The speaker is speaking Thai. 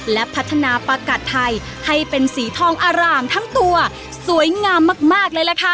และพัฒนาประกัดไทยให้เป็นสีทองอร่ามทั้งตัวสวยงามมากเลยล่ะค่ะ